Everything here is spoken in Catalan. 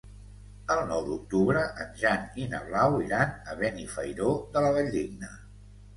El nou d'octubre en Jan i na Blau iran a Benifairó de la Valldigna.